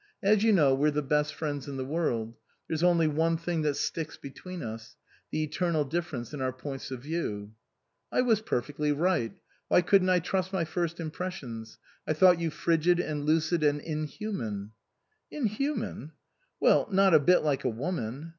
" As you know, we're the best friends in the world ; there's only one thing that sticks be tween us the eternal difference in our points of view." 44 1 was perfectly right. Why couldn't I trust my first impressions ? I thought you frigid and lucid and inhuman "" Inhuman ?"" Well, not a bit like a woman."